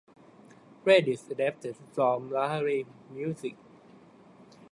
Credits adapted from Lahari Music